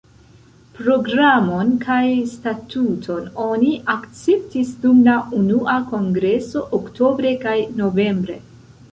Programon kaj statuton oni akceptis dum la unua kongreso oktobre kaj novembre.